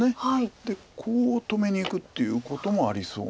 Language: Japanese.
でこう止めにいくっていうこともありそう。